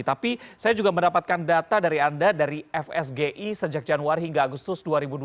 tapi saya juga mendapatkan data dari anda dari fsgi sejak januari hingga agustus dua ribu dua puluh